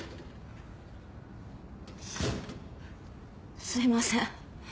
すすいません。